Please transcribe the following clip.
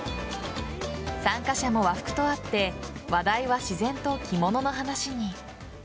参加者も和服とあって話題は自然と着物の話に。